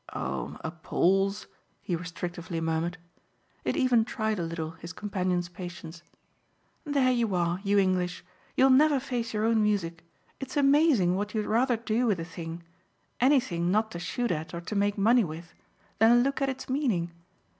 "Oh 'appals'!" he restrictively murmured. It even tried a little his companion's patience. "There you are, you English you'll never face your own music. It's amazing what you'd rather do with a thing anything not to shoot at or to make money with than look at its meaning.